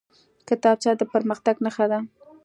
کتابچه د پرمختګ نښه ده